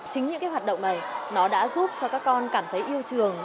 chính những hoạt động này nó đã giúp cho các con cảm thấy yêu trường